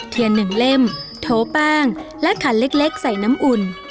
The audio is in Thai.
เทียน๑เล่มโถแป้งและขันเล็กใส่น้ำอุ่น